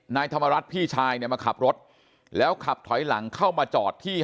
นายธรรมรัฐพี่ชายเนี่ยมาขับรถแล้วขับถอยหลังเข้ามาจอดที่